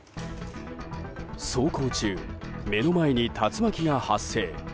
走行中、目の前に竜巻が発生。